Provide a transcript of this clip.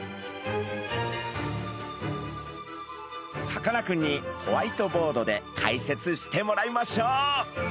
さかなクンにホワイトボードで解説してもらいましょう。